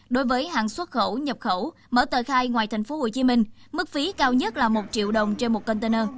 đối với hàng xuất khẩu nhập khẩu mở tờ khai ngoài tp hcm mức phí cao nhất là một triệu đồng trên một container